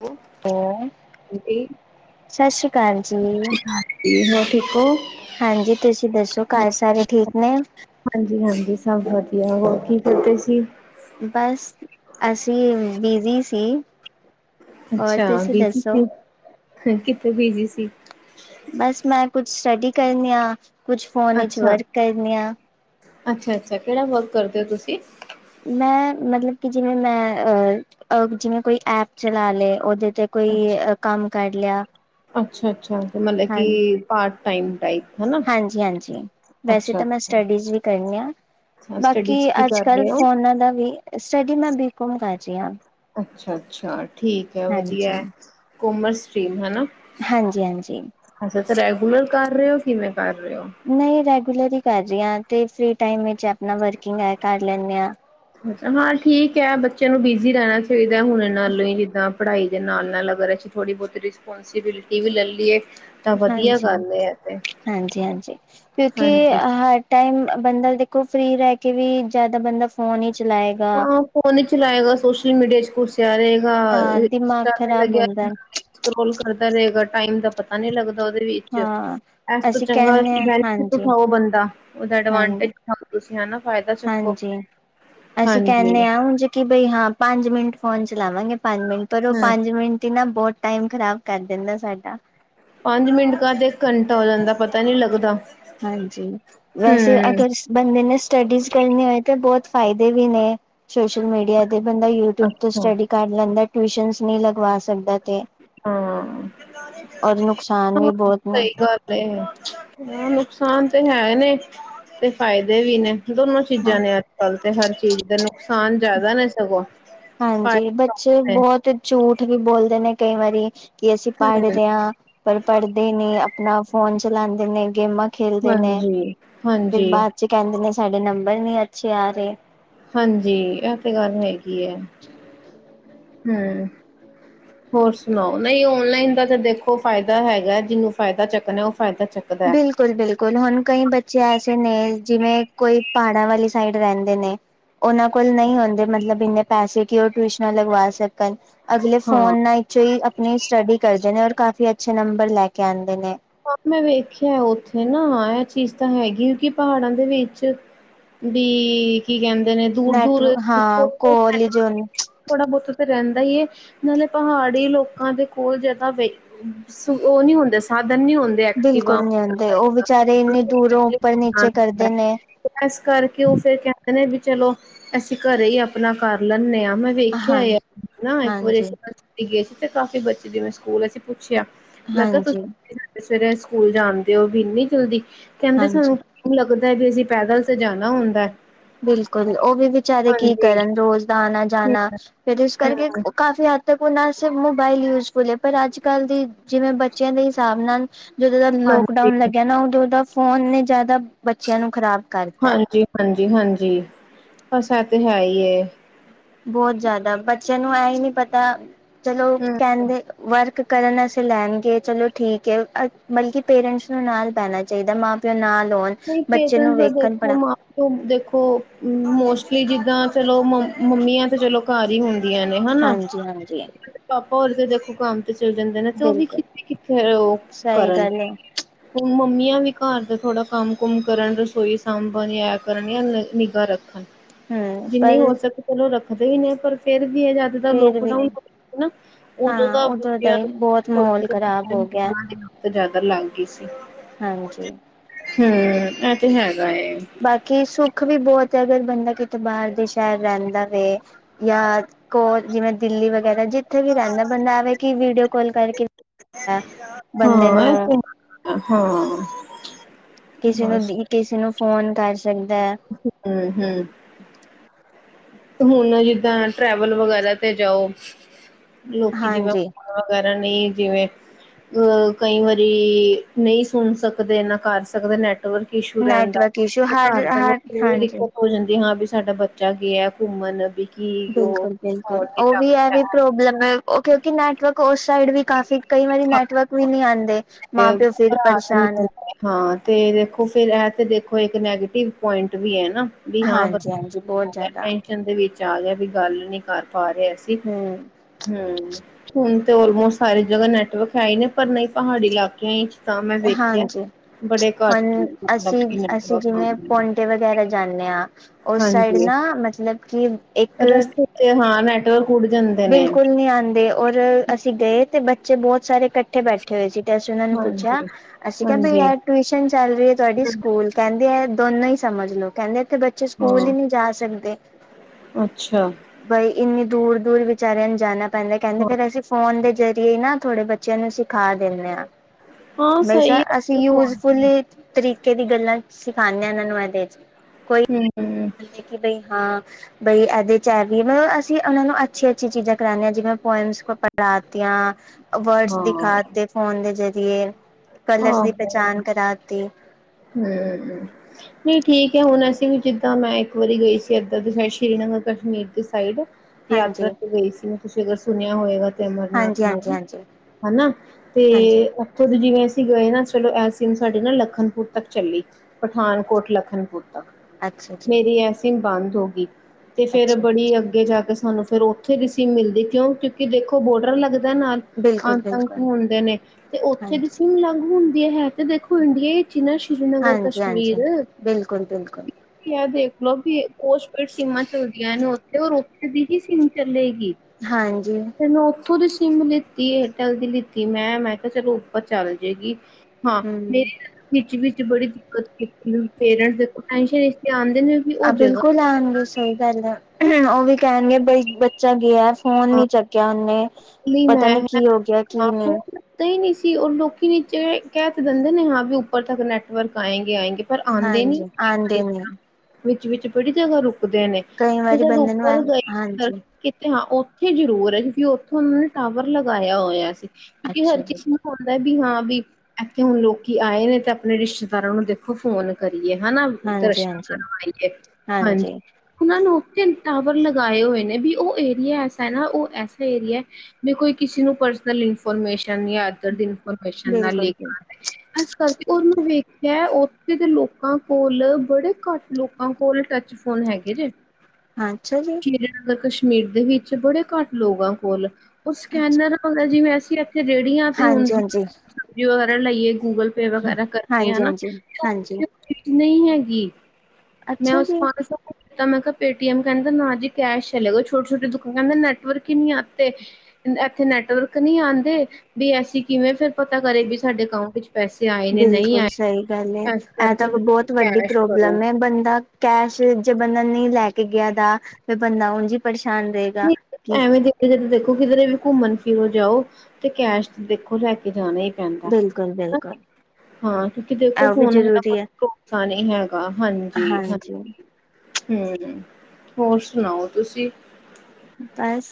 [unintelligible] ਲੋ hello, [inaudible] ਜੀ ਸਤਿ ਸ਼੍ਰੀ ਅਕਾਲ ਜੀ। [inaudible] ਜੀ ਹੋਰ ਠੀਕ ਹੋ? ਹਾਂਜੀ, ਤੁਸੀਂ ਦੱਸੋ ਘਰ ਸਾਰੇ ਠੀਕ ਨੇ? ਹਾਂਜੀ-ਹਾਂਜੀ ਸਭ ਵਧੀਆ [inaudible] ਹੋਰ ਕੀ ਕਰਦੇ ਸੀ। ਬਸ ਅਸੀਂ ਬਿਜ਼ੀ ਸੀ। ਹੋਰ ਅੱਛਾ ਤੁਸੀਂ ਬੀਜੀ ਦੱਸੋ? ਸੀ, ਫਿਰ ਕਿੱਥੇ ਬੀਜੀ ਸੀ। ਬਸ ਮੈਂ ਕੁਛ ਸਟੱਡੀ ਕਰਨੀ ਹਾਂ, ਕੁਛ ਫੋਨ ਵਿੱਚ ਵਰਕ ਕਰਨੀ ਹਾਂ ਅੱਛਾ ਅੱਛਾ, ਕਿਹੜਾ ਵਰਕ ਕਰਦੇ ਹੋ ਤੁਸੀਂ? ਮੈਂ ਮਤਲਬ ਕਿ ਜਿਵੇਂ ਮੈਂ ਅਹ -ਅਹ ਜਿਵੇਂ ਕੋਈ ਐਪ ਚਲਾ ਲਏ ਔਦੇ ਤੇ ਕੋਈ ਅ ਕੰਮ ਕਰ ਲਿਆ। ਅੱਛਾ -ਅੱਛਾ ਮਤਲਬ ਹਾਂ ਕਿ ਪਾਰਟ ਟਾਈਮ ਟਾਈਪ ਹਨਾ। ਹਾਂਜੀ -ਹਾਂਜੀ ਵੈਸੇ ਤਾਂ ਮੈਂ ਅੱਛਾ-ਅੱਛਾ। ਸਟੱਡੀਜ਼ ਹੀ ਕਰਨੀਆਂ। ਅੱਛਾ ਅੱਛਾ ਸਟੱਡੀ ਬਾਕੀ 'ਚ ਕੀ ਅੱਜ ਕਰ ਕੱਲ ਰਹੇ ਹੋ? ਫੋਨਾਂ ਦਾ ਵੀ, ਸਟੱਡੀ ਮੈਂ ਬਿਲਕੁਲ ਕਰ ਦੀ ਹਾਂ। ਅੱਛਾ -ਅੱਛਾ ਠੀਕ ਹੈ ਹਾਂਜੀ, ਵਧੀਆ ਕੋਮਰਸ ਸਟਰੀਮ ਹੈਨਾ। ਹਾਂਜੀ -ਹਾਂਜੀ। ਅੱਛਾ ਤਾਂ ਰੈਗੂਲਰ ਕਰ ਰਹੇ ਹੋ ਕਿਵੇਂ ਕਰ ਰਹੇ ਹੋ? ਨਹੀਂ ਰੈਗੂਲਰ ਹੀ ਕਰ ਰਹੀ ਹਾਂ ਤੇ ਫਰੀ ਟਾਈਮ ਵਿੱਚ ਆਪਣਾ ਵਰਕਿੰਗ ਏ ਕਰ ਲੈਂਦੇ ਹਾਂ। ਹਾਂ ਠੀਕ ਹੈ। ਬੱਚਿਆਂ ਨੂੰ ਬਿਜੀ ਰਹਿਣਾ ਚਾਹੀਦਾ। ਹੁਣ ਨਾਲੋਂ ਹੀ ਜਿੱਦਾਂ ਪੜ੍ਹਾਈ ਦੇ ਨਾਲ -ਨਾਲ ਅਗਰ ਅਸੀਂ ਥੋੜ੍ਹੀ ਬਹੁਤੀ ਰਿਸਪੋਂਸੀਬਿਲਿਟੀ ਵੀ ਲੈ ਲਈਏ। ਤਾਂ ਵਧੀਆ ਹਾਂਜੀ, ਗੱਲ ਹੈ ਤੇ ਹਾਂਜੀ -ਹਾਂਜੀ ਕਿਉਂਕਿ ਹਾਂਜੀ ਅ ਹ ਟਾਈਮ ਬੰਦਾ ਦੇਖੋ ਫਰੀ ਰਹਿ ਕੇ ਵੀ ਜਿਆਦਾ ਬੰਦਾ ਫੋਨ ਹੀ ਚਲਾਏਗਾ। ਹਾਂ ਫੋਨ ਹੀ ਚਲਾਏਗਾ, ਸੋਸ਼ਲ ਮੀਡੀਆ ਚ ਘੁਸਿਆ ਰਹੇਗਾ [inaudible] ਹਾਂ ਦਿਮਾਗ ਖ਼ਰਾਬ ਹੁੰਦਾ ਸਕਰੋਲ ਕਰਦਾ ਰਹੇਗਾ ਟਾਈਮ ਦਾ ਪਤਾ ਨੀ ਲੱਗਦਾ ਔਦੇ ਵਿੱ ਚ ਹਾਂ। ਇਸ ਤੋਂ ਅਸੀਂ ਚੰਗਾ ਕਹਿੰਦੇ ਹਾਂ ਬੈਨੀਫਿਟ ਹਾਂਜੀ, ਉਠਾਓ ਬੰਦਾ, ਔਦਾ ਹਾਂਜੀ, ਐਡਵਾਂਟਜ ਹੁਣ ਤੁਸੀਂ ਹੈਨਾ ਫਾਇਦਾ ਚੱਕੋ। ਹਾਂਜੀ। ਅਸੀਂ ਹਾਂਜੀ ਕਹਿੰਨੇ ਹਾਂ, ਉਝ ਕਿ ਬਈ ਹਾਂ ਪੰਜ ਮਿੰਟ ਫੋਨ ਚਲਾਵਾਂਗੇ। ਪੰਜ ਮਿੰਟ ਪਰ ਉਹ ਹਾਂ ਪੰਜ ਮਿੰਟ ਇ ਨਾ ਬਹੁਤ ਟਾਈਮ ਖ਼ਰਾਬ ਕਰ ਦਿੰਦਾ ਸਾਡਾ ਪੰਜ ਮਿੰਟ ਘਰਦੇ ਇੱਕ ਘੰਟਾ ਹੋ ਜਾਂਦਾ ਪਤਾ ਨਹੀਂ ਲੱਗਦਾ। ਹਾਂਜੀ, ਵੈਸੇ ਹਮ ਅਗਰ ਬੰਦੇ ਨੇ ਸਟੱਡੀਜ਼ ਕਰਨੀ ਹੋਏ, ਤਾਂ ਬਹੁਤ ਫ਼ਾਇਦੇ ਵੀ ਨੇ ਸੋਸ਼ਲ ਮੀਡੀਆ ਤੇ ਬੰਦਾ ਯੂਟਿਊਬ ਤੋਂ ਅੱਛਾ ਸਟੱਡੀ ਕਰ ਲੈਂਦਾ ਟਿਊਸ਼ਨਸ ਨਹੀਂ ਲਗਵਾ ਸਕਦਾ। ਤੇ ਹਾਂ, ਔਰ ਨੁਕਸਾਨ [inaudible] ਵੀ ਬਹੁਤ ਨਾ ਸਹੀ ਗੱਲ। ਤੇ [inaudible] ਨੁਕਸਾਨ ਤੇ [inaudible] ਹੈ ਨੇ ਤੇ ਫਾਇਦੇ ਵੀ ਨੇ ਦੋਨੋ ਚ ਹਾਂ ਚੀਜ਼ਾਂ ਨੇ ਅੱਜ ਕੱਲ ਤੇ ਹਰ ਚੀਜ਼ ਦਾ ਨੁਕਸਾਨ ਜ਼ਿਆਦਾ ਨੇ ਸਗੋਂ। ਹਾਂਜੀ, ਫਾਇਦੇ ਬੱਚੇ ਘੱਟ ਨੇ। ਬੋਤ ਝੂਠ ਵੀ ਬੋਲਦੇ ਨੇ ਕਈ ਵਾਰੀ ਕਿ ਅਸੀਂ ਪੜ੍ਹ ਹੂੰ, ਰਿਆ। ਪਰ ਪੜ੍ਹਦੇ ਨੀ ਆਪਣਾ ਫੋਨ ਚਲਾਉਂਦੇ ਨੇ, ਗੇਮਾਂ ਖੇਲਦੇ ਨੇ। ਹਾਂਜੀ ਹਾਂਜੀ। ਚੇ ਕਹਿੰਦੇ ਨੇ ਸਾਡੇ ਨੰਬਰ ਨੀ ਅੱਛੇ ਆ ਰਹੇ। ਹਾਂਜੀ ਇਹ ਤੇ ਗੱਲ ਹੈਗੀ ਹੈ। ਹਮ। ਹਮ। [inaudible] ਹੋਰ ਸੁਣਾਓ, ਨਹੀਂ ਔਨਲਾਈਨ ਦਾ ਤਾਂ ਦੇਖੋ ਫਾਇਦਾ ਹੈਗਾ ਜਿਹਨੂੰ ਫਾਇਦਾ ਚੱਕਣਾ ਔਹ ਫਾਇਦਾ ਚੱਕ। ਬਿਲ। ਕੁਲ ਬਿਲਕੁਲ ਹੁਣ ਕਈ ਬੱਚੇ ਐਸੇ ਨੇ ਜਿਵੇਂ ਕੋਈ ਪਹਾੜਾਂ ਵਾਲੀ ਸਾਈਡ ਰਹਿੰਦੇ ਨੇ। ਔਹਨਾਂ ਕੋਲ ਨਹੀਂ ਹੁੰਦੇ ਮਤਲਬ ਇੰਨੇ ਪੈਸੇ ਕਿ ਉਹ ਟਿਊਸ਼ਨਾਂ ਲੱਗਵਾ ਸਕਣ। ਅਗਲੇ ਹਾਂ ਫੋਨ ਨਾ ਚੋਂ ਹੀ। ਆਪਣੀ ਸਟੱਡੀ ਕਰਦੇ ਨੇ ਔਰ ਕਾਫ਼ੀ ਅੱਛੇ ਨੰਬਰ ਲੈ ਕੇ ਆਉਂਦੇ ਨੇ। ਹਾਂ। ਮੈਂ ਵੇਖਿਆ ਉੱਥੇ ਨਾ ਇਹ ਚੀਜ਼ ਤਾਂ ਹੈਗੀ ਕਿ ਪਹਾੜਾਂ ਦੇ ਵਿੱਚ। ਵੀ ਕੀ ਕਹਿੰਦੇ ਨੇ ਦੂਰ - ਨੈਟ ਦੂਰ। ਹਾਂ ਕੋਲਜ ਥੋੜਾ ਬਹੁਤਾ ਰਹਿੰਦਾ ਹੀ ਹੈਏ ਨਾਲੇ। ਪਹਾੜੀ ਲੋਕਾਂ ਦੇ ਕੋਲ ਜਿਆਦਾ ਵਾਂਗ ਉਹ ਨੀ ਹੁੰਦਾ ਸਾਧਨ ਨੀ ਹੁੰਦਾ। ਬਿਲਕੁਲ ਐਕਟੀਵਾ। ਨੀ ਹੁੰਦੇ ਉਹ ਵਿਚਾਰੇ ਇੰਨੀ ਦੂਰੋਂ ਉੱਪਰ ਨੀਚੇ ਕਰਦੇ ਨੇ ਇਸ ਕਰਕੇ ਉਹ ਫਿਰ ਕਹਿੰਦੇ ਨੇ ਵੀ ਚੱਲੋ। ਅਸੀਂ ਘਰੇ ਹੀ ਆਪਣਾ ਕਰ ਲੈਂਦੇ ਹਾਂ। ਮੈਂ ਵੇਖਿਆ ਹਨ। ਇੱਕ ਵਾਰੀ ਅਸੀ ਗਏ ਸੀ ਤੇ ਕਾਫ਼ੀ ਬੱਚੇ ਦੀਵੇੈਂ ਸਕੂਲ ਅਸੀ ਪੁੱਛਿਆ। ਮੈਂ ਕਿਹਾ ਹਾਂਜੀ-ਹਾਂਜੀ-ਹਾਂਜੀ ਤੁਸੀਂ ਸਵੇਰੇ ਸਕੂਲ ਜਾਣਦੇ ਹੋ ਵੀ ਇਹਨੀ ਜਲਦੀ। ਕਹਿੰਦੇ। ਸਾਨੂੰ ਟਾਈਮ ਲੱਗਦਾ ਵੀ ਅਸੀਂ ਪੈਦਲ ਤੇ ਜਾਣਾ ਹੁੰਦਾ। ਬਿਲਕੁਲ। ਉਹ ਵੀ ਵਿਚਚਾਰੇ ਕੀ ਹਾਂਜੀ, ਕਰਨ ਰੋਜ਼ ਦਾ ਆਣਾ ਹੂੰ, ਜਾਣਾ ਫਿਰ ਇਸ ਕਰਕੇ। ਹੂੰ, ਕਾਫ਼ੀ ਹੱਦ ਤੱਕ ਉਹਨਾਂ ਸਿਰਫ ਮੋਬਾਇਲ ਯੂਜਫੁਲ ਹੈ। ਪਰ ਅੱਜ ਕੱਲ ਦੀ ਜਿਵੇਂ ਬੱਚਿਆਂ ਦੇ ਹਿਸਾਬ ਨਾਲ ਜਦੋਂ ਦਾ ਹਾਂਜੀ। ਲੋਕਡਾਊਨ ਲੱਗਿਆ ਨਾ। ਉਦੋਂ ਦਾ ਫੋਨ ਨੇ ਜ਼ਿਆਦਾ ਬੱਚਿਆਂ ਨੂੰ ਖ਼ਰਾਬ ਕਰਤਾ। ਹਾਂਜੀ, ਹਾਂਜੀ - ਹਾਂਜੀ। ਬਸ ਇਹ ਤੇ ਹੈ ਹੀ ਹੈ। ਬਹੁਤ ਜ਼ਿਆਦਾ ਬੱਚਿਆਂ ਨੂੰ ਇਹ ਹੀ ਨਹੀਂ ਪਤਾ। ਚੱਲੋ ਹੂੰ, ਕਹਿੰਦੇ ਵਰਕ ਕਰਨ ਅਸੀਂ ਲੈਣਗੇ ਚੱਲੋ ਠੀਕ ਹੈ। ਮਤਲਬ ਕਿ ਪੇਰੈਂਟਸ ਨੂੰ ਨਾਲ ਪੈਣਾ ਚਾਹੀਦਾ। ਮਾਂ- ਪਿਓ ਨਾਲ ਆਉਣ। ਨਹੀਂ ਪਰੇਂਟਸ ਜੋ ਦੇਖੋ ਮਾਂ - ਪਿਓ ਦੇਖੋ ਮੋਸਟਲੀ ਜਿੱਦਾਂ ਚਲੋ। ਮੰਮੀਆਂ ਤੇ ਚਲੋ ਘਰ ਹੀ ਹੁੰਦੀਆ। ਨੇ ਹਨਾ। ਹਾਂਜੀ ਹਾਂਜੀ ਪਾਪਾ ਹੋਰ ਤਾਂ ਦੇਖੋ ਕੰਮ ਤੇ ਚਲੇ ਜਾਂਦੇ ਨੇ। ਤੇ ਉਹ ਵੀ ਬਿਲਕੁਲ ਕਿੱਥੇ ਉਹ ਸਹੀ ਕਰਨ ਗੱਲ ਹੈ ਹੁਣ ਮੰਮੀਆਂ ਵੀ ਘਰ ਦਾ ਥੋੜਾ ਬਹੁਤ ਕੰਮ ਕੁਮ ਕਰਨ ਰਸੋਈ ਸਾਂਭਣ ਐ ਕਰਨ ਜਾਂ ਨਿੱਘਾ ਰੱਖਣ। ਹਮ ਜਿੰਨੀ ਪਰ ਹੋ ਸਕੇ ਚਲੋ ਰੱਖਦੇ ਹੀ ਨੇ। ਪਰ ਫੇਰ ਵੀ ਇਹ ਜਦ ਦਾ ਫੇਰ ਵੀ ਲੋਕਡਾਊਨ ਹੋਆ ਨਾਂ। ਉਦੋਂ ਹਾਂ ਤਾਂ ਉਧਰ ਦਾ ਹੀ ਬਹੁਤ ਮਾਹੌਲ ਖ਼ਰਾਬ ਹੋ ਗਿਆ [unintelligible] ਜ਼ਿਆਦਾ ਲੱਗ ਗਈ ਸੀ। ਹਾਂਜੀ। ਹਮ ਇਹ ਤੇ ਹੈਗਾ ਏ। ਬਾਕੀ ਸੁੱਖ ਵੀ ਬਹੁਤ ਹੈ। ਅਗਰ ਬੰਦਾ ਕਿਤੇ ਬਾਹਰ ਦੇਸ਼ ਸ਼ਹਿਰ ਰਹਿੰਦਾ ਵੇ ਜਾਂ ਕੋਈ। ਜਿਵੇਂ ਦਿੱਲੀ ਵਗੈਰਾ ਜਿੱਥੇ ਵੀ ਰਹਿੰਦਾ। ਬੰਦਾ ਆਵੇ ਕਿ ਵੀਡੀਓ ਕੋਲ ਕਰਕੇ ਬੰਦੇ ਹਾਂ ਨੂੰ ਇਹ ਤਾਂ ਹੈ। ਹਾਂ। ਕਿਸੇ ਬਸ ਨੂੰ ਕਿਸੇ ਨੂੰ ਫੋਨ ਕਰ ਸਕਦਾ ਹੈ। ਹਮ ਹਮ। ਹੁਣ ਜਿੱਦਾਂ ਟਰੈਵਲ ਵਗੈਰਾ ਤੇ ਜਾਓ। ਲੋਕੀ ਜਿਵੇ ਓਹ ਹਾਂਜੀ ਕਰਨ ਦੀ ਜਿਵੇਂ। ਅ ਕਈ ਵਾਰੀ ਨਹੀਂ ਸੁਣ ਸਕਦੇ ਨਾ ਕਰ ਸਕਦੇ। ਨੈਟਵਰਕ ਇਸ਼ੂ ਰਹਿਦਾ। ਨੈਟਵਰਕ ਇਸ਼ੂ ਘਰ ਹਰ ਦੀਆਂ ਹਰ ਕੋਈ ਹਾਂਜੀ ਦਿੱਕਤ ਹੋ ਜਾਂਦੀ। ਹਾਂ ਵੀ ਸਾਡਾ ਬੱਚਾ ਗਿਆ ਘੁੰਮਣ ਵੀ। ਕੀ ਉਹ ਬਿਲਕੁਲ - ਫੋਨ ਬਿਲਕੁਲ ਨੀ ਉਹ ਵੀ ਇਹ ਵੀ ਚੱਕਦਾ ਪ੍ਰੋਬਲਮ ਹੈ। ਕਿਉਂਕਿ ਨੈਟਵਰਕ ਉਸ ਸਾਈਡ ਵੀ ਕਾਫੀ। ਕਈ ਵਾਰੀ ਨੈਟਵਰਕ ਵੀ ਨਹੀਂ ਆਉਂਦੇ। ਮਾਂ - ਪਿਓ ਫਿਰ ਭਰਾ ਪਰੇਸ਼ਾਨ। ਦਿੰਦੇ ਹਾਂ ਤੇ ਦੇਖੋ। ਫਿਰ ਇਹ ਤੇ ਦੇਖੋ ਇੱਕ ਨੈਗੇਟਿਵ ਪੁਆਇੰਟ ਵੀ ਹੈ ਨਾਂ। ਹਾਂਜੀ - ਹਾਂਜੀ ਬਹੁਤ ਜ਼ਿਆਦਾ। ਟੈਸ਼ਨ ਦੇ ਵਿੱਚ ਆ ਗਿਆ ਵੀ। ਗੱਲ ਨਹੀਂ ਕਰ ਪਾ ਰਹੇ ਅਸੀਂ। ਹੂੰ ਹਮ ਹੁਣ ਤੇ ਆਲਮੋਸਟ ਸਾਰੀ ਜਗ੍ਹਾ ਨੈਟਵਰਕ ਹੈ ਹੀ ਨੇ। ਪਰ ਨਹੀਂ ਪਹਾੜੀ ਇਲਾਕਿਆਂ ਵਿੱਚ ਤਾਂ ਮੈਂ ਵੇਖਿਆ ਹਾਂਜੀ। ਬੜੇ ਘੱਟ ਹੁਣ ਮਤਲਬ ਅਸੀਂ ਕਿ ਅਸੀਂ ਨੈਟਵਰਕ ਜਿਵੇਂ ਆਂਦੇ ਨੇ ਪੋਂਟੇ ਵਗੈਰਾ ਜਾਂਦੇ ਹਾਂ ਉਸ ਸਾਈਡ ਹਾਂਜੀ ਨਾ ਮਤਲਬ ਕਿ ਇੱਕ। ਤੇ ਹਾਂ ਨੈ ਨੈਟਵਰਕ ਉਠ ਜਾਂਦਾ ਏ। ਬਿਲਕੁਲ ਨਹੀਂ ਆਉਂਦੇ। ਔਰ ਅਸੀਂ ਗਏ ਤੇ ਬੱਚੇ ਬਹੁਤ ਸਾਰੇ ਇਕੱਠੇ ਬੈਠੇ ਹੋਏ ਸੀ। ਤੇ ਅਸੀਂ ਉਹਨਾਂ ਨੂੰ ਪੁੱਛਿਆ। ਹਾਂਜੀ ਅਸੀਂ ਕਿਹਾ ਬਈ ਹਾਂਜੀ ਇਹ ਟਿਊਸ਼ਨ ਚੱਲ ਰਹੀ ਹੈ। ਤੁਹਾਡੀ ਸਕੂਲ ਦੀ। ਕਹਿੰਦੇ ਹੈ ਦੋਨੋ ਹੀ ਸਮਝ ਲੋਓ ਕਹਿੰਦੇ ਬੱਚੇ ਸਕੂਲ ਹੀ ਹਾਂ ਨਹੀਂ ਜਾ ਸਕਦੇ ਅੱਛਾ ਬਈ ਇੰਨੀ ਦੂਰ ਦੂਰ ਵਿਚਾਰਿਆਂ ਨੂੰ ਜਾਣਾ ਪੈਂਦਾ ਕਹਿੰਦੇ ਹਾਂ ਫੇਰ ਅਸੀਂ ਫੋਨ ਦੇ ਜ਼ਰੀਏ ਹੀ ਨਾ ਥੋੜੇ ਬੱਚੇ ਬੱਚਿਆਂ ਨੂੰ ਸਿਖਾ ਦਿੰਦੇ ਹਾਂ ਹਾਂ ਬਈ ਸਹੀ ਸਰ ਅਸੀਂ ਹੈ ਯੂਜਫੁਲੀ ਤਰੀਕੇ ਦੀ ਗੱਲਾਂ ਸਿਖਾਉਂਦੇ ਹਾਂ ਇਹਨਾਂ ਨੂੰ ਇਹਦੇ ਚ। ਹਮ ਹਮ। ਜਿਵੇ ਕਿ ਬਈ ਹਾਂ ਬਈ ਇਹਦੇ ਚ ਇਹ ਵੀ ਮਤਲਬ ਅਸੀਂ ਉਹਨਾਂ ਨੂੰ ਅੱਛੀ ਅੱਛੀ ਚੀਜ਼ਾਂ ਕਰਾਨੇ ਆ ਜਿਵੇਂ ਪੋਇਮਸ ਕੋ ਪੜਾਤੀਆਂ ਵਰਡਸ ਹਾਂ ਦਿਖਾਤੇ। ਫੋਨ ਦੇ ਜ਼ਰੀਏ ਕਲਰਸ ਆਹੋ ਦੀ ਪਹਿਚਾਣ ਕਰਾਤੀ। ਹਮ। ਨਹੀਂ ਠੀਕ ਹੈ ਹੁਣ ਅਸੀਂ ਵੀ ਜਿੱਦਾਂ ਮੈਂ ਇੱਕ ਵਾਰੀ ਗਈ ਸੀ ਇੱਧਰ ਦੇ ਸਾਇਡ ਸ਼੍ਰੀਨਗਰ ਕਸ਼ਮੀਰ ਦੇ ਸਾਈਡ। ਯਾਤਰਾ ਹਾਂਜੀ ਤੇ ਗਈ ਸੀ ਮੈਂ ਤੁਸੀਂ ਅਗਰ ਸੁਣਿਆ ਹੋਏਗਾ। ਤੇ ਹਾਂਜੀ ਅਮਰਨਾਥ ਹਾਂਜੀ ਨਾਮ ਹਾਂਜੀ ਹਨਾ ਤੇ ਹਾਂਜੀ ਇਥੋ ਦੀ ਜਿਵੇਂ ਅਸੀਂ ਗਏ ਨਾ ਚਲੋ ਐ ਸੀਮ ਸਾਡੀ ਨਾ ਲਖਨਪੁਰ ਤੱਕ ਚੱਲੀ। ਪਠਾਨਕੋਟ ਲਖਨਪੁਰ ਤੱਕ ਅੱਛਾ ਜੀ ਮੇਰੀ ਐ ਸੀਮ ਬੰਦ ਹੋ ਗਈ। ਤੇ ਫੇਰ ਅੱਛਾ ਜੀ ਬੜੀ ਅੱਗੇ ਜਾ ਕੇ ਸਾਨੂੰ ਫੇਰ ਉੱਥੇ ਦੀ ਸੀਮ ਮਿਲਦੀ ਕਿਉਂ ਕਿਉਂਕਿ ਦੇਖੋ ਬੋਡਰ ਲੱਗਦਾ ਨਾਲ। ਬਿਲਕੁਲ ਆਤੰਕ ਬਿਲਕੁਲ ਹੁੰਦੇ ਨੇ ਤੇ ਉੱਥੇ ਦੀ ਹਾਂਜੀ ਸਿੰਮ ਅਲੰਗ ਹੁੰਦੀ ਹੈ ਤੇ ਦੇਖੋ ਇੰਡੀਆ ਚੀ ਨਾ ਸ਼੍ਰੀਨਗਰ ਹਾਂਜੀ ਕਸ਼ਮੀਰ। ਹਾਂਜੀ ਬਿਲਕੁਲ ਬਿਲਕੁਲ ਤੁਸੀਂ ਇਹ ਦੇਖਲੋ ਵੀ ਪੋਸਟਪੇਡ ਸੀਮਾਂ ਚੱਲਦੀਆਂ ਨੇ ਉੱਥੇ ਔਰ ਉੱਥੇ ਦੀ ਹੀ ਸੀਮ ਚੱਲੇਗੀ। ਹਾਂਜੀ। ਮੈ ਉੱਥੋਂ ਦੀ ਸਿਮ ਲਿੱਤੀ ਏਅਰਟੈਲ ਦੀ ਲਿੱਤੀ ਮੈਂ। ਮੈਂ ਕਿਹਾ ਚਲੋ ਉਪਰ ਚੱਲ ਜਏਗੀ। ਹੂੰ ਵਿੱਚ ਵਿਚ ਬੜੀ ਦਿੱਕਤ ਕੀਤੀ। ਪੇਰੈਂਟਸ ਦੇਖੋ ਟੈਸ਼ਨ ਚ ਤੇ ਆਉਂਦੇ ਨੇ ਵੀ ਉਹ ਆਹ ਜਗ੍ਹਾ ਬਿਲਕੁਲ ਰਹਣਗੇ, ਸਹੀ ਗੱਲ ਹੈ। ਉਹ ਵੀ ਕਹਿਣਗੇ ਬਈ ਬੱਚਾ ਗਿਆ ਫੋਨ ਹਾਂ, ਨੀ ਚੱਕਿਆ ਉਹਨੇ, ਪਤਾ ਨੀ ਕੀ ਹੋ ਗਿਆ ਕੀ ਨਹੀ। ਪਤਾ ਹੀ ਨਹੀਂ ਸੀ, ਉਹ ਲੋਕੀ ਵੀ ਕਹਿ ਤੇ ਦਿੰਦੇ ਨੇ ਹਾਂ ਵੀ ਉੱਪਰ ਤੱਕ ਨੈਟਵਰਕ ਆਏਂਗੇ, ਆਏਂਗੇ ਪਰ ਆਉਂਦੇ ਨੀ। ਹਾਂਜੀ ਆਂਦੇ ਨੇ ਵਿੱਚ ਵਿਚ ਬੜੀ ਜਗਾ ਰੁਕਦੇ ਨੇ। ਕਈ ਵਾਰੀ ਜਦ ਬੰਦੇ ਨੂੰ ਉੱਪਰ ਗਏ ਹਾਂਜੀ ਤੇ ਹਾਂ ਉੱਥੇ [unintelligible] [unintelligible] ਉੱਥੋਂ ਉਹਨਾ ਨੇ ਟਾਵਰ ਲਗਾਇਆ ਹੋਇਆ ਸੀ ਕਿਉਂਕਿ ਹਰ ਅੱਛਾ ਜੀ ਕਿਸੇ ਨੂੰ ਹੁੰਦਾ ਵੀ ਹਾਂ ਵੀ ਇੱਥੇ ਹੁਣ ਲੋਕੀ ਆਏ ਨੇ ਤੇ ਆਪਣੇ ਰਿਸ਼ਤੇਦਾਰਾਂ ਨੂੰ ਦਿੱ ਫੋਨ ਕਰੀਏ ਹਨਾ ਹਾਂਜੀ ਦਰਸ਼ਨ ਹਾਂਜੀ ਕਰਵਾਈਏ ਹਾਂਜੀ। ਉਹਨਾਂ ਨੂੰ ਉਥੇ ਟਾਵਰ ਲਗਾਏ ਹੋਏ ਨੇ ਵੀ ਉਹ ਏਰੀਆ ਐਸਾ ਨਾ ਉਹ ਐਸਾ ਏਰੀਆ ਕੋਈ ਕਿਸੇ ਨੂੰ ਪਰਸਨਲ ਇਨਫੋਰਮੇਸ਼ਨ [unintelligible] ਇਨਫੋਰਮੇਸ਼ਨ ਬਿਲਕੁਲ ਬਿਲ [unintelligible] ਇਸ ਕਰਕੇ [unintelligible] ਵੇਖਿਆ ਉੱਥੇ ਦੇ ਲੋਕਾਂ ਕੋਲ ਬੜੇ ਘੱਟ ਲੋਕ ਕੋਲ ਟੱਚ ਫੋਨ ਹੈਗੇ ਜੇ। ਅੱਛਾ ਜੀ। ਸ਼੍ਰੀਨਗਰ ਕਸ਼ਮੀਰ ਦੇ ਵਿੱਚ ਬੜੇ ਘੱਟ ਲੋਕਾਂ ਕੋਲ ਉਹ ਅੱਛਾ ਸਕੈਨਰ ਮਤਲਬ ਜਿਵੇੈ ਅਸੀ ਥੇ ਰੇਹੜੀਆਂ ਤੇ ਹੁਣ ਹਾਂਜੀ ਹਾਂਜੀ ਵਗੈਰਾ ਲਈਏ ਗੂਗਲ ਪੇ ਵਗੈਰਾ ਕਰਨੇ ਹਾਂ ਹਾਂਜੀ ਨਾ ਹਾਂਜੀ ਹਾਂਜੀ ਨਹੀਂ ਹੈਗੀ ਮੈਂ ਅੱਛਾ ਉਸ ਜੀ ਤਾਂ ਮੈਂ ਕਿਹਾ ਪੇਟੀਐਮ ਕਹਿੰਦਾ ਨਾ ਜੀ ਕੈਸ਼ ਚਲੇਗਾ ਛੋਟੀ ਛੋਟੀ ਦੁਕਾਨ ਮੇ ਨੈਟਵਰਕ ਹੀ ਨਹੀਂ ਆ ਤੇ ਇੱਥੇ ਨੈਟਵਰਕ ਨਹੀ ਆਂਦੇ ਵੀ ਅਸੀ ਕਿਵੇਂ ਫੇਰ ਪਤਾ ਕਰੇ ਵੀ ਸਾਡੇ ਅਕਾਊਂਟ ਵਿੱਚ ਪੈਸੇ ਆਏ ਨੇ ਨਹੀਂ ਬਿਲਕੁਲ ਆਏ ਸਹੀ ਗੱਲ ਹੈ ਇਹ ਤਾਂ ਕਰਕੇ ਵੀ ਤੁਸੀਂ ਬਹੁਤ ਵੱਡੀ ਕੈਸ਼ ਕਰੋ। ਪ੍ਰੋਬਲਮ ਹੈ, ਬੰਦਾ ਕੈਸ਼ ਜੇ ਬੰਦਾ ਨਹੀਂ ਲੈ ਕੇ ਗਿਆ ਦਾ ਫੇਰ ਬੰਦਾ ਉਂਝ ਹੀ ਪਰੇਸ਼ਾਨ ਰਹੇਗਾ। ਨਹੀਂ ਕਿ ਐਵੇਂ ਦੇ ਕਿਧਰ ਦੇਖੋ ਕਿਧਰੇ ਵੀ ਘੁੰਮਣ ਫਿਰਨ ਜਾਓ, ਤੇ ਕੈਸ਼ ਦੇਖੋ ਲੈ ਕੇ ਜਾਣਾ ਪੈਂਦਾ। ਬਿਲਕੁਲ ਹੈ। ਬਿਲਕੁਲ। ਹਾਂ ਕਿਉਂਕਿ ਦੇਖੋ ਫੋਨ ਦਾ ਕੋਈ ਭਰੋਸਾ ਨਹੀਂ ਹੈਗਾ, ਹਾਂਜੀ ਹਾਂਜੀ। ਫੇਰ ਹੋਰ ਸੁਣਾਓ ਤੁਸੀ? ਬਸ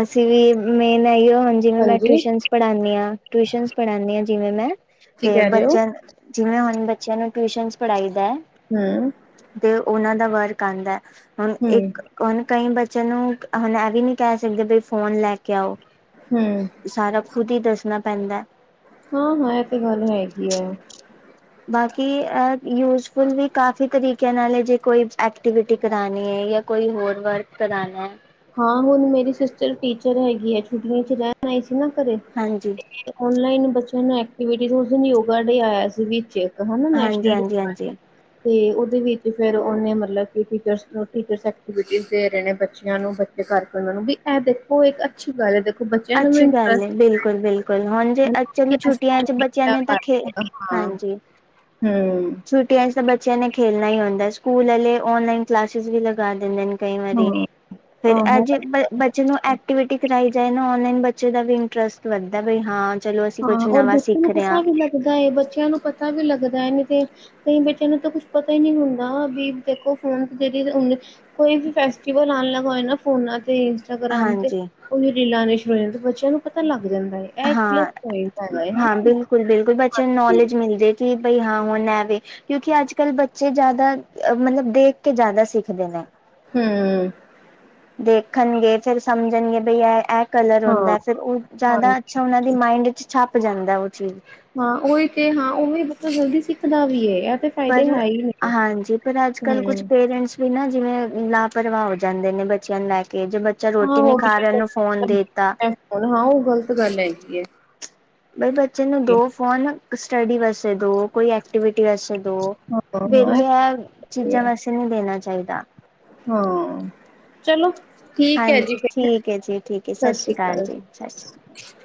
ਅਸੀ ਵੀ ਮੇਨ ਏਈਓ ਹੁਣ ਜਿਵੇਂ ਮੈਂ ਹਾਂਜੀ ਟਿਊਸ਼ਨ ਪੜਾਨੀ ਹਾਂ ਟਿਊਸ਼ਨ ਪੜਾਨੀ ਹਾਂ ਜਿਵੇਂ ਮੈਂ ਕੀ ਤੇ ਕਹਿ ਰਹੇ ਹੋ? ਬੱਚਿਆਂ ਜਿਵੇਂ ਹੁਣ ਬੱਚਿਆਂ ਨੂੰ ਟਿਊਸ਼ਨਸ ਪਢਾ਼ਈ ਦਾ ਹੂੰ। ਤੇ ਉਹਨਾਂ ਦਾ ਵਰਕ ਆਦਾ ਹੁਣ ਹੂੰ ਇੱਕ ਹੁਣ ਕਈ ਬੱ ਚਿਆਂ ਨੂੰ ਹੁਣ ਇਹ ਵੀ ਨੀ ਕਹਿ ਸਕਦੇ ਬਈ ਫੋਨ ਲੈ ਕੇ ਆੳ। ਹੂੰ। ਸਾਰਾ ਖੁਦ ਹੀ ਦੱਸਣਾ ਪੈਂਦਾ। ਹਾਂ ਇਹ ਤੇ ਗੱਲ ਹੈਗੀ ਏ। ਬਾਕੀ ਏ ਯੂਜਫੁਲ ਵੀ ਕਾਫੀ ਤਰੀਕਿਆਂ ਨਾਲ ਹੈ ਜੇ ਕੋਈ ਐਕਟੀਵਿਟੀ ਕਰਾਣੀ ਹੈ ਯਾ ਕੋਈ ਹੋਰ ਵਰਕ ਕਰਾਣਾ। ਹਾਂ ਹੁਣ ਮੇਰੀ ਸਿਸਟਰ ਟੀਚਰ ਹੈਗੀ ਹੈ ਛੁੱਟੀਆਂ ਚ ਰਹਿਣ ਆਈ ਸੀ ਨਾ ਘਰੇ। ਹਾਂਜੀ। ਔਨਲਾਈਨ ਬੱਚਿਆਂ ਨੂੰ ਐਕਟੀਵਿਟੀ ਉਸ ਦਿਨ ਯੋਗਾ ਡੇ ਆਇਆ ਸੀ ਵਿੱਚ ਹਨਾ ਨੈਸ਼ਨਲ ਹਾਂਜੀ-ਹਾਂਜੀ, ਹਾਂਜੀ। ਤੇ ਉਹਦੇ ਵਿੱਚ ਫੇਰ ਉਹਨੇ ਮਤਲਬ ਕਿ ਟੀਚ੍ਸ ਪ੍ਰੋ ਐਕਟੀਵਿਟੀ ਦੇ ਰਹੇ ਨੇ ਬੱਚਿਆਂ ਨੂੰ ਬ ਚੇ ਕਰਕੇ ਉਹਨਾਂ ਨੂੰ ਵੀ ਇਹ ਦੇਖੋ ਇੱਕ ਅੱਛੀ ਗੱਲ ਹੈ ਦੇਖੋ ਬੱਚਿਆਂ ਨੂੰ ਵੀ ਅੱਛੀ ਗੱਲ ਏ ਇੰਟਰਸਟ ਬਿਲਕੁਲ-ਬਿਲਕੁਲ ਹੁਣ ਜੇ ਚਲੋ ਛੁੱਟੀਆ ਚ ਬੱਚਿਆਂ ਹਾਂ ਨੇ ਤਾਂ ਖੇਲ ਹਾਂਜੀ। ਹੂੰ। ਛੁੱਟੀਆਂ ਚ ਤਾਂ ਬੱਚਿਆਂ ਨੇ ਖੇਲਣਾ ਹੀ ਹੁੰਦਾ ਸਕੂਲ ਵਾਲੇ ਓਨਲਾਈਨ ਕਲਾਸਿਸ ਵੀ ਲਗਾ ਦਿੰਦੇ ਨੇ। ਕਈ ਹੂੰ ਵਾਰੀ ਹਾਂ ਫੇਰ ਆਹੋ ਅੱਜ ਬ ਬੱਚੇ ਨੂੰ ਐਕਟੀਵਿਟੀ ਕਰਾਈ ਜਾਏ ਓਨਲਾਈਨ ਬੱਚੇ ਦਾ ਵੀ ਇੰਟਰਸਟ ਵੱਧਦਾ ਬਈ ਹਾਂ ਚਲੋ ਅਸੀਂ ਹਾਂ ਕੁਛ ਔਰ ਨਵਾਂ ਬੱਚਿਆਂ ਨੂੰ ਸਿੱਖ ਰਹੇ ਪਤਾ ਹਾਂ ਵੀ ਲੱਗਦਾ ਹੈ ਬੱਚਿਆਂ ਨੂੰ ਪਤਾ ਵੀ ਲੱਗਦਾ ਏ ਨੀ ਤੇ ਕਈ ਬੱਚਿਆਂ ਨੂੰ ਤਾਂ ਕੁਛ ਪਤਾ ਹੀ ਨੀ ਹੁੰਦਾ ਵੀ ਦੇਖੋ ਫੋਨ ਜਿਹੜੀ ਹੁਣ ਕੋਈ ਵੀ ਫੈਸਟੀਵਲ ਆਉਣ ਲੱਗਾ ਹੋਏ ਨਾ ਫੋਨਾਂ ਤੇ ਇੰਸਟਾਗ੍ਰਾਮ ਤੇ ਹਾਂਜੀ ਉਹੀ ਰੀਲਾਂ ਨੇ ਜਾਂ ਬੱਚਿਆਂ ਨੂੰ ਪਤਾ ਲੱਗ ਜਾਂਦਾ ਹੈ ਇਹ ਪ ਠੀਕ ਹੇਗਾ ਏ ਹਨਾ। ਬਿਲਕੁਲ ਬੱਚਿਆਂ ਨੂੰ ਹੂੰ, ਨੌਲੇਜ ਮਿਲਦੀ ਏ ਕਿ ਬਈ ਹਾਂ ਹੁਣ ਐ ਵੇ। ਕਿਉਂਕਿ ਅੱਜ ਕੱਲ੍ਹ ਬੱਚੇ ਜਾਦਾ ਮਤਲਬ ਦੇਖ ਕੇ ਜਾਦਾ ਸਿੱਖਦੇ ਨੇ। ਹੂੰ। ਦੇਖਣਗੇ ਫੇਰ ਸਮਝਣਗੇ ਬਈ ਇਹ-ਇਹ ਕਲਰ ਹਾਂ, ਹੁੰਦਾ ਫਿਰ ਉਹ ਜਾਦਾ ਅੱਛਾ ਉਹਨਾਂ ਦੀ ਮਾਇੰਡ ਚ ਛਪ ਜਾਂਦਾ ਉਹ ਚੀਜ਼। ਹਾਂ ਉਹੀ ਤੇ, ਹਾਂ ਉਹੀ ਬੱਚਾ ਜਲਦੀ ਸਿੱਖਦਾ ਵੀ ਏ ਏ ਤੇ ਪਰ ਫਾਇਦੇ ਹੈ ਹੀ ਨੇ। ਹਾਂਜੀ, ਪਰ ਅੱਜ ਕੱਲ ਕੁੱਝ ਹੂੰ, ਪੇਰੈਂਟਸ ਵੀ ਨਾਂ ਜਿਵੇਂ ਲਾਪਰਵਾਹ ਹੋ ਜਾਂਦੇ ਨੇ ਬੱਚਿਆਂ ਨੂੰ ਲੈ ਕੇ ਜੇ ਬੱਚਾ ਰੋਟੀ ਨੀ ਖਾ ਰਿਹਾ ਉਹਨੂੰ ਫੋਨ ਦੇਤਾ। ਹੁਣ ਹਾਂ ਉਹ ਗ਼ਲਤ ਗੱਲ ਹੈਗੀ ਏ। ਬਈ ਬੱਚੇ ਨੂੰ ਦੋ ਫੋਨ ਸਟੱਡੀ ਵਾਸਤੇ ਦੋ, ਕੋਈ ਐਕਟੀਵਿਟੀ ਵਾਸਤੇ ਦੋ ਹਾਂ, ਹਾਂ ਇਹ ਵਿਹਲਿਆ ਤੇ ਚੀਜ਼ਾਂ ਹੈ ਵਾਸਤੇ ਨਹੀ ਦੇਣਾ ਚਾਹੀਦਾ। ਹਾਂ, ਚਲੋ ਠੀਕ ਹੈ ਜੀ ਹਾਂਜੀ ਫਿਰ ਹੈ ਠੀਕ ਜੀ ਠੀਕ ਹੈ ਸਤਿ ਸਸ ਸ਼੍ਰੀ ਸ੍ਰੀ ਅਕਾਲ ਕਾਲ ਸਤਿ ਸ਼੍ਰੀ ਜੀ।